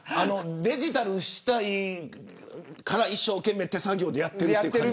デジタルにしたいから一生懸命手作業でやってる感じ。